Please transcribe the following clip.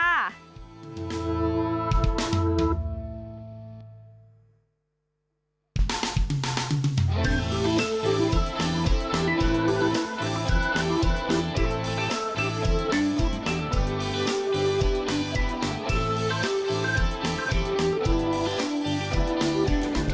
สวัสดีครับ